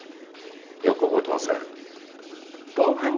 よく覚えてません。